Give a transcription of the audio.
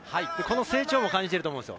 成長も感じていると思います。